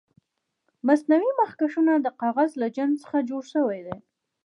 مصنوعي مخکشونه د کاغذ له جنس څخه جوړ شوي دي.